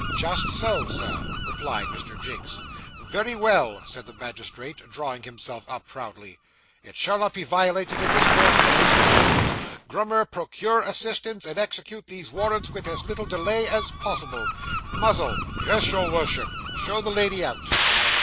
'Just so, Sir,' replied Mr. Jinks. 'Very well,' said the magistrate, drawing himself up proudly, 'it shall not be violated in this portion of his dominions. Grummer, procure assistance, and execute these warrants with as little delay as possible. Muzzle!' 'Yes, your Worship.' 'Show the lady out.